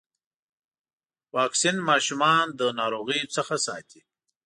واکسین ماشومان له ناروغيو څخه ساتي.